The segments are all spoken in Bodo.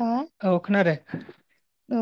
नोंथाङा औ खोनादो औ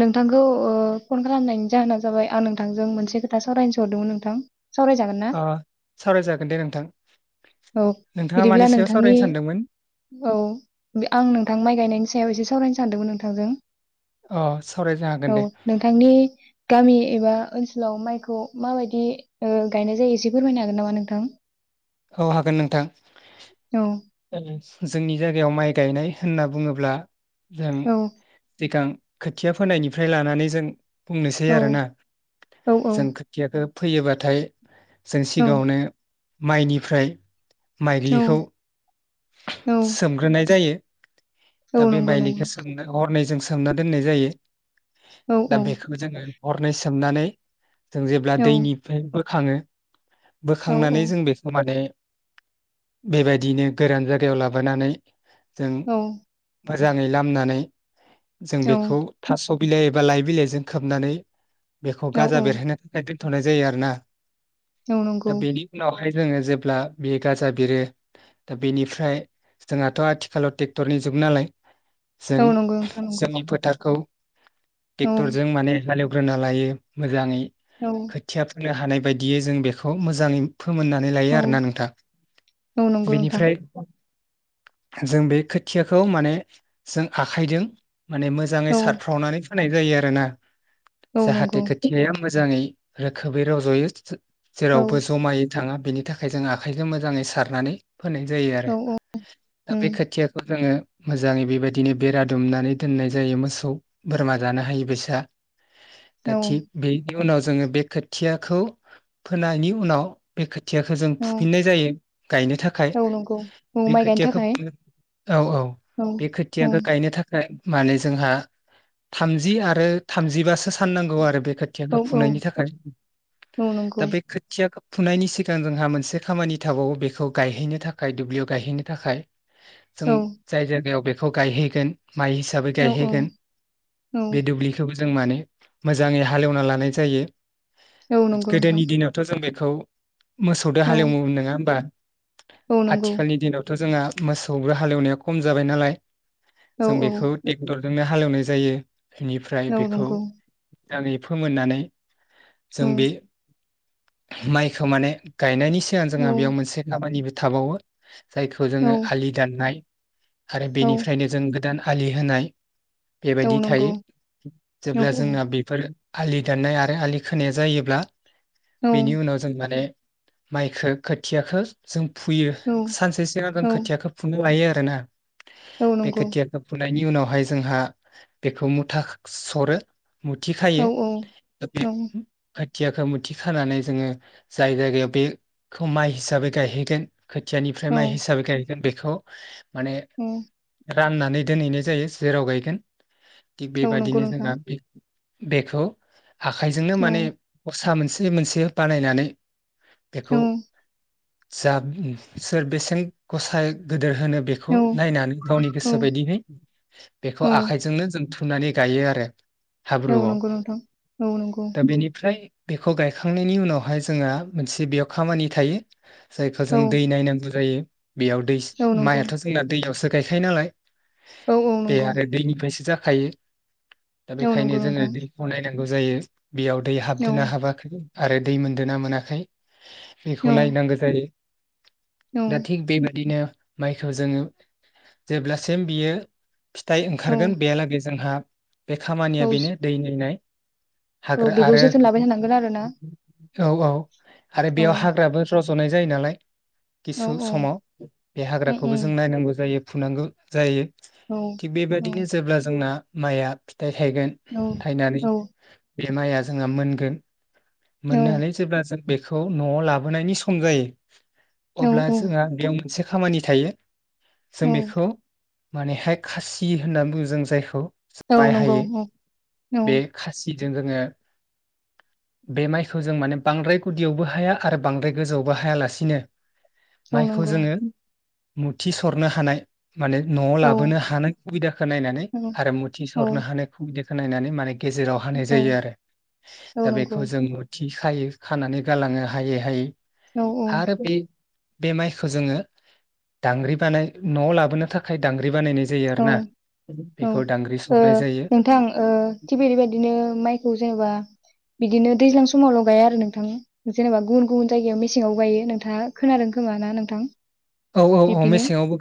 नोंथांखौ ओ फन खालामनायनि जाहोना जाबाय आं नोंथांजों मोनसे खोथा सावरायनोसो हरदोंमोन नोंथां सावरायजागोन ना ओ सावरायजागोन दे नोंथां औ नोंथाङा मानि बिदिब्ला सायाव नोंथांनि सावरायनो सानदोंमोन औ आं नोंथां माइ गायनायनि सायाव एसे सा सावरायनो सानदोंमोन नोंथांजों अ सावरायनो हागोन औ दे नोंथांनि गामि एबा ओनस सलाव माइखौ माबायदि ओ गायनाय जायो एसे फोरमायनो हागोन नामा नोंथां? औ हागोन नोंथां औ [unintelligible] जोंनि जायगायाव माइ गायनाय होनना बुङोब्ला जों औ सिगां खोथिया फोनायनिफ्राय लानानै जों बुंनोसै औ आरोना औ जों खोथियाखो फैयोबाथाय जों औ सिगाङावनो माइनिफ्राय औ माइग्लिखौ औ सोमग्रोनाय जायो औ दा बे नंगौ नंगौ माइलिखो सोमनो हरनैजों सोमना दोननाय जायो औ औ दा बेखौ जोङो हरनै सोमनानै जों जेब्ला दैनिफ्राय बो खाङो औ बोखांनानै जों बेख माने बेबायदिनो गोरान जायगायाव लाबोनानै जों। औ मोजाङै लामनानै जों बेखौ थास थाव बिलाइ एबा लाइ बिलाइजों खोबनानै बेखौ औ गाजा बेरहायनो थाखाय थ'नाय जायो आरोना। औ दा नंगौ। बेनि उनावहाय जोङो जेब्ला बे गाजा बिरो दा बेनिफ्राय जोंहाथ' आथिखालाव ट्रेक्टरनि जुग नालाय जों औ नंगौ नोंथां नंगौ जोंनि फोथारखौ औ ट्रेक्टरजों माने हालेव ग्रोना लायो मोजाङै। खोथिया नो हानाय बायदियै जों बेखौ मोजाङै फोमोननानै औ लायो आरोना नोंथां औ नंगौ नोंथां बेनिफ्राय जों बे खोथियाखौ माने जों आखायजों माने मोजाङै औ सारफ्रावनानै होनाय जायो आरोना औ । जाहाथे नंगौ खोथियाया मोजाङै रोखोमै रज'यो औ जेरावबो जमाय थाङा बेनि थाखाय जों आखाइखौ मोजाङै सारनानै फोननाय जायो औ आरो औ दा बे उम खोथियाखौ जोङो मोजाङै बेबायदिनो बेरा दुमनानै दोननाय जायो मोसौ बोरमा जानो हायो बैसाआ । दा औ थिग बे नि उनाव जोङो बे खोथियाखौ फोनायनि उनाव [unintelligible] खोथियाखौ जों औ फुफिननाय जायो गायनो थाखाय औ नंगौ औ बे माइ गायनो खोथियाखौ थाखाय औ औ बे औ खोथियाखौ गायनो थाखाय माने जोंहा थामजि आरो थामजिबासो साननांगौ आरो बे औ खोथियाखौ औ फुनायनि थाखाय औ दा नंगौ बे खोथियाखौ फुनायनि सिगां जोंहा मोनसे खामानि थाबावो बेखौ गायहैनो थाखाय दुब्लियाव गायहैनो थाखाय जों औ जाय जायगायाव खौ गायहैगोन। माइ हिसाबै औ औ गायहैगोन औ बे दुब्लिखौबो। जों माने मोजाङै हालेवना लानाय जायो औ । नंगौ नोंथां गोदोनि दिनावथ' जों बेखौ खौ मोसौजों औ हालेवोमोन नङा होमबा? औ नंगौ आथिखालनि दिनावथ' जोंहा मोसौबो हालेवनाया खम जाबाय नालाय औ । जों औ बेखौ ट्रेक्टर जोंनो हालेवनाय जायो । बेनिफ्राय औ बेखौ नंगौ [unintelligible] फोमोननानै औ जों बे माइ माने गानायनि सिगां औ जोंहा बेयाव मोनसे खामानिबो थाबावो जायखौ औ जोंङो आलि दाननाय आरो बेनिफ्रायनो जों गोदान आलि होनाय औ बेबायदि नंगौ थायो औ जेब्ला औ जोंना बेफोर आलि दाननाय आरो आलि खोनाया जायोब्ला बेनि उनावलजों माने माने माइखौ खोथियाखौ जों फुयो सानसेसो आगोन औ खोथियाखौ फुना लायो आरो । दाना औ बे नंगौ खोथियाखौ फु फुनायनि उनावहाय जोंहा बेखौ मुथा सरो । मुथि औ खायो बे औ खोथियाखौ मुथि खानानै जोंङो जाय जायगायाव बेखौ माइ हिसाबै गायहैगोन खोथियानिफ्राय औ माइ हिसाबै गाय गोन बेखौ माने राननानै दोनहैनाय जायो जेराव गायगोन । थिग औ नंगौ बेबादिनो नोंथां जोंहा बे बेखौ आखाइजोंनो औ माने गसा मोनसे मोनसे बानायनानै बेखौ औ जा सोर बेसेन गसाय दोर होनो बेखौ औ नायनानै गावनि औ गोसो बायदियै औ बेखौ आखाइजोंनो जों फुनानै गायो आरो औ हाब्रुआव नंगौ नोंथां औ नंगौ दा बेनिफ्राय बेखौ गायखांनायनि उनावहाय जोंङहा मोनसे बेयाव खामानि थायो सायकेलजों औ दै नायनांगौ जायो बेयाव दै औ नंगौ माइयाथ' जोंना दैयावसो गायखायो नालाय औ औ बेे नंगौ आरो दैनिफ्रायसो जा हायो दा औ नंगौ बेखायनो जोङो नोंथां दैखौ नायनां नांगौ जायो बेयाव दै औ हाबदोना हाबाखै आरो दै मोनदों ना मोनाखै औ बेखौ नायनांगौ जायो औ दा थिग बे बादिनो माइखौ जोङो जेब्लासिम बियो फिथाइ औ ओंखारगोन बेहालागै जोंहा बे खामानिया औ बेनो दै नायनाय औ हाग्रा बेखौ जोथोन आरो लाबाय थानांगोन आरोना औ औ आरो बेयाव हाग्राबो रज'नाय जायो नालाय औ किसु औ समाव बे उम हाग्राखौबो उम जों नायनांगौ जायो नांगौ जायो । औ थिग औ बेबायदिनो जेब्ला जोंना माइया‌ थाय थायगोन औ थायनानै औ बे माइया जोंहा मोनगोन औ मोननाय जेब्ला‌ जों बेखौ नआव लाबोनायनि सम जायो औ अब्ला जोंहा बेेयाव मोनसे खामानि थायो जों बेखौ मानेहाय खासि होननानै बुङो जों जायखौ औ माइ नंगौ औ औ। जों जोङो बे माइखौ जों मान बांद्राय गुदियावबो हाया आरो बांद्राय गोजौआवबो हायालासिनो औ माइखौ नंगौ जोङो मुथि सरनो हानाय माने नआव औ लाबोनो हानाय सुबिदाखौ नायनानै आरो औ हारि मुथि औ सरनो हानाय सुबिदाखौ खो नायनानै माने गेजेराव हानाय जायो आरो औ दा नंगौ बेखौ जों मुथि थिखायो खानानै गालाङो हायै हायै औ आरो बे बे माइखौ जोङो दांग्रि बानाय नआव लाबोनो थाखाय दांग्रि बानायनाय जायो आरो औ ना औ बेखौ दांग्रि ओ सरनाय जायो नोंथां ओ थिग बेरैबायदिनो माइ खौ जेनेबा बिदिनो दैज्लां समावल गाया आरो नोंथां जेनेबा गुबुन गुबुन जायगायाव मेसेङाव गायो नोंथाङा खोनादों खोमा ना नोंथां औ औ औ बिब्दिनो मेसेङावबो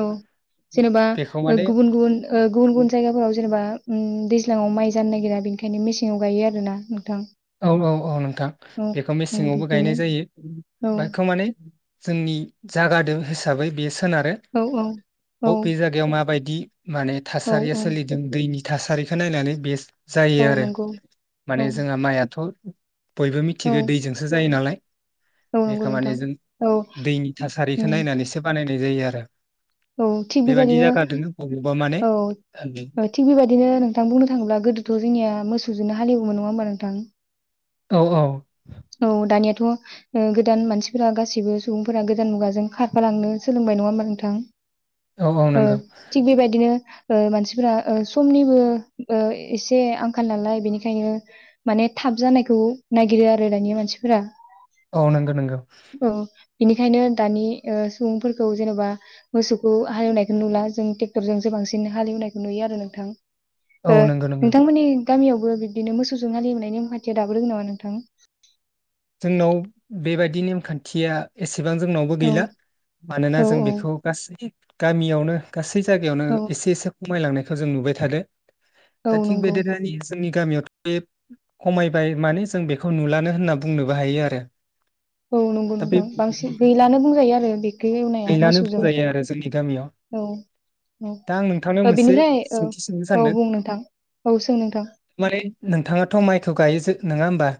औ जेनेबा बेखौ। ओ माने गुबुन गुबुन ओ गुबुन गुबुन जायगाफोराव जेनेबा उम दैज्लांआव माइ जानो नागिरा बेनिखायनो मेसेंआव गायो आरोना। नोंथां औ औ औ नोंथां औ बेखौ उम मेसेंयावबो गायनाय बिब्दिनो जायो औ बेखौ माने जोंनि जागादों हिसाबै बे सोनारो औ औ औ बबे जायगायाव मा बाय दि माने औ थासारिया औ सोलिदों दैनि थासारिखौ नायनानै बेस्ट औ जायो आरो नंगौ औ माने जोंहा माइया थ बयबो औ मिथिगौ दैजोंसो जायो नालाय औ नंगौ बेखौ माने नोंथां जों औ दैनि थासारिखौ उम नायनानैसो बानायनाय नाय जायो आरो औ थिग बेबायदि बेबायदिनो जायगा दोङो बबावबा माने औ औ थिग बेबायदिनो नोंथां बुंनो थाङोब्ला गोदोथ' जोंनिया मोसौजोंनो हालेव वो मोन नङा होमबा नोंथां औ औ औ दानिया थ' गोदान मानसिफोरा गासिबो सुबुंफोरा गोदान मुगाजों खारफालांनो सोलोंबाय नङा होमबा नोंथां औ औ ओ नंगौ थिग बेबायदिनो ओ मानसिफोरा समनिबो एसे आंखाल नालाय बेनिखायनो माने थाब जानायखौ नागिरो आरो दानिया मानसिफोरा औ नंगौ नंगौ औ बेनिखायनो दानि सुबुंफोरखौ जेन'बा मोसौखौ हालेवनायखौ नुला जों ट्रेक्टरजों सो बांसिन हालेवनायखौ नुयो आरो नोंथां औ ओ नंगौ नंगौ नोंथांमोननि गामियावबो बिदिनो मोसौजों हालेवनायनि नेमखान्थिया दाबो दं नामा नोंथां जोंनाव बेबायदि नेमखान्थिया एसे इसेबां जोंनावबो औ गैला मानोना औ जों बेखौ गासै गामियावनो गासै जागायावनो एसे एसे खमायलांनायखौ जों नुबाय थादो औ दा थिक नंगौ बेे [unintelligible] गामियाव खमायबाय माने जों बेखौ नुलानो होनना बुंनोबो हायो आरो औ नंगौ दा बे नोंथां बांसिन गैलानो बुंजायो आरो बेखौ एवनाया गैलानो मोसौजों बुंजायो आरो जोंनि गामियाव औ औ दा आं नोंथांनाव औ मोनसे बेनिफ्राय औ सोंथि सोंनो औ सानदों बुं नोंथां औ सों नोंथां माने नोंथाङाथ' माइखौ गायो जो नङा होमबा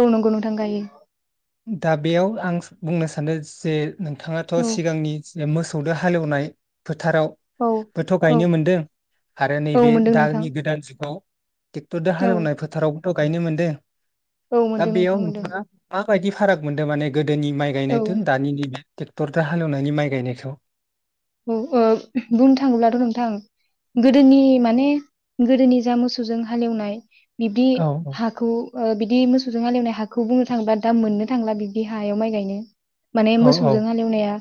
औ नंगौ नोंथां गायो दा बेयाव आं बुंनो सानो जे नोंथाङाथ' औ सिगांनि मोसौजों हालेवनाय औ फोथारावबोथ' औ गायनो मोनदों आरो औ नैबे मोनदों नोंथां दानि गोदान जुगाव टेक्टरजो औ हालेवनाय फोथाराव थ' गायनो मोनदों औ दा मोनदों नोंथां बेयाव मोनदों नोंथाङा माबायदि फाराग मोनदों माने गोदोनि माइ औ गायनायजों दानि नैबे ट्रेक्टरजों हालेवनायनि माइ गायनायखौ औ बुंनो थाङोब्लाथ' नोंथां गोदोनि माने गोदोनि जा मोसौजों हालेवनाय बिदि औ हाखौ बिदि मोसौजों हालेवनाय हाख खौ बुंनो थाङोबा दा मोननो थांला बिदि हायाव माइ गायनो माने औ औ मोसौजों हालेवनाया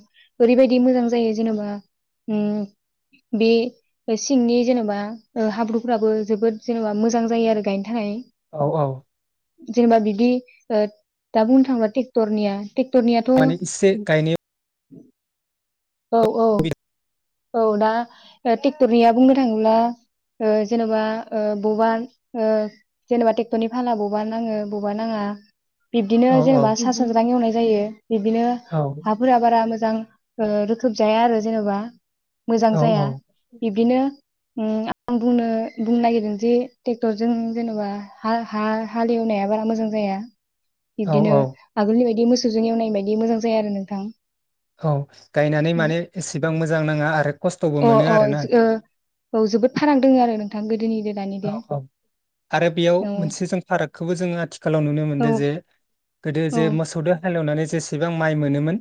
ओरैबायदि मोजां जायो जेनेबा ओ बे सिंनि जेनेबा हाब्रुफ्राबो जोबोद जेनेबा मोजां जायो आरो गायनो थाखाय औ औ जेनेबा बिदि दा बुंनो थाङोब्ला ट्रेक्टरनिया ट्रेक्टरनियाथ' माने इसे गायनायाव औ औ औ दा ट्रेक्टरनिया बुंनो थाङोब्ला ओ जेनेबा ओ बबेबा जेनेबा ओ ट्रेक्टरनि फाला बबेबा नाङो बबेबा नाङा बिबदिनो औ औ जेनेबा सा साज्रां एवनाय जायो बिब्दिनो औ हाफोरा बारा मोज मोजां ओ रोखोम जाया आरो जेनेबा मोजां जाया औ बिब्दिनो आं बुंनो बुंनो नागिरदों दि ट्रेक्टरजों जेन'बा हा-हा-हालेवनाया बारा मोजां जाया औ बिबदिनो औ आगोलनि बायदि मोस मोसौजों एवनाय बायदि मोजां जाया आरो नोंथां औ गायनानै औ माने एसेबां मोजां नांङ अ अ औ जोबोद थानांदों आरो नों थांगोन औ औ आरो बेयाव औ मोनसे जों फारागखौबो जों आथिखालाव नुनो औ मोनदों जे गोदो औ जे मोसौजों हालेवनानै जो जेसेबां माइ मोनोमोन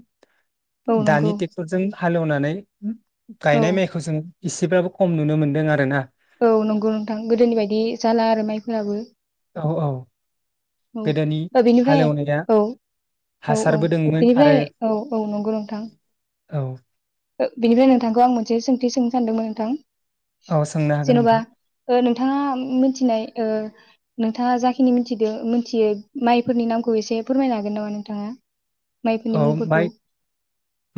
औ नंगौ दानि ट्रेक्टरजों हालेवनानै औ गायनाय माइखौ जों इसेबाबो खम नुनो मोनदों आरो ना औ नंगौ नोंथां गोदोनि बायदि जाला आरो माइफोराबो औ औ औ गोदोनि बेनिफ्राय हालेवनाया औ औ औ हासारबो दोंमोन आरो बेनिफ्राय औ औ नंगौ नोंथां औ बेनिफ्राय नोंथांखौ आं मोनसे सोंथि सोंनो सानदोंमोन नोंथां औ सोंनो हागोन जेन'बा नोंथां ओ नोंथाङा मिथिनाय ओ नोंथाङा जाखिनि मिथिदों मिथियो माइफोरनि नामखौ एसे फोरमायनो हागोन नामा नोंथाङा माइफोरनि औ मुंफोरखौ माइ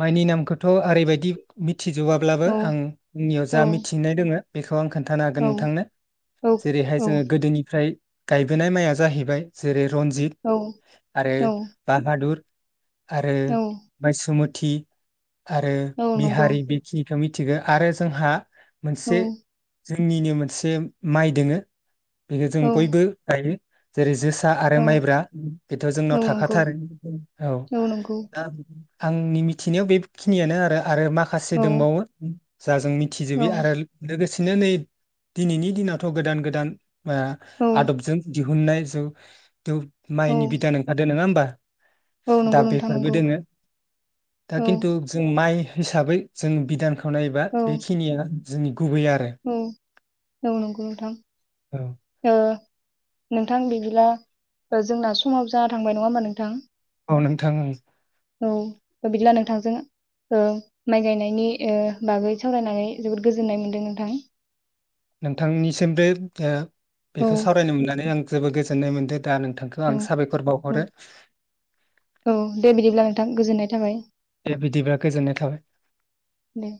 माइनि नामखौथ' ओरैबायदि बि थिजोबाब्लाबो औ आं नियाव औ जा मिथिनाय दोङो खौ आं खोन्थानो हागोन औ नोंथांनो औ जेरैहाय औ जोङो गोदोनिफ्राय गायबोनाय माइआ जाहैबाय जेरै रन्जित औ आरो औ बाहादुर आरो औ माइ सुमुद थि आरो औ नंगौ बिहारि बिखि खो मिथिगो आरो जोंहा औ मोनसे जोंनिनो मोनसे माइ दोङो बेखो जों औ बयबो गायो जेरै जोस आ आरो औ माइब्रा बेथ' औ जोंनाव नंगौ थाखाथारो औ दा आंनि मिथिनायाव बेखिनियानो आरो आरो माखासे औ दोंबावो जा जों मिथिजोबि औ आरो ल-लोगोस सिनो नै दिनैनि दिनावथ' गोदान गोदान मा औ आदबजों दिहुननाय जुग दुब औ माइनि बिदान ओंखारदों नोङा होनबा [inaudible] औ दा नंगौ नोंथां बेफोरबो नंगौ दोङो दा औ खिन्थु जों माइ हिसाबै जों बिधानखो खो नायोबा औ बेखिनिया जोंनि गुबै आरो औ औ नंगौ नोंथां औ नोंथां बिदिब्ला ओ जोंना समाबो जानाथांबाय नङा होनबा नोंथां औ नोंथां ओं औ बिदिब्ला नोंथांजों ओ माइ गायनायनि ओ बागै सावरायनानै जोबोद गोजोननाय मोनदों नोंथां नोंथांनिसिमबो ओ औ बेखौ सावरायनो मोननानै आं जोबोद गोजोननाय मोनदो औ औ औ दे बिदिब्ला नोंथां गोजोननाय थाबाय। दे बिदिब्ला गोजोननाय थाबाय। दे